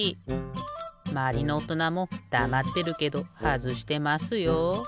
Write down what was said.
まわりのおとなもだまってるけどはずしてますよ。